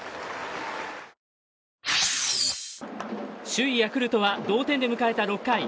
首位ヤクルトは同点で迎えた６回。